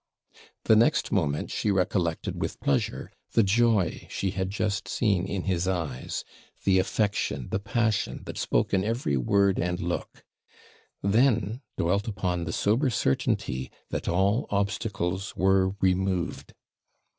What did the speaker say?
The next moment she recollected, with pleasure, the joy she had just seen in his eyes the affection, the passion, that spoke in every word and look; then dwelt upon the sober certainty, that all obstacles were removed.